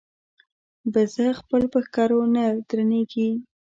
بزه خپل په ښکرو نه درنېږي.